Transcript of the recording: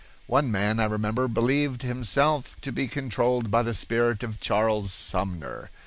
One man I remember believed himself to be controlled by the spirit of Charles Sumner.